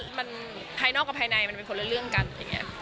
อีกวันเพราะว่าภายนอกกับภายในมันเป็นคนเรื่องกันอย่างนี้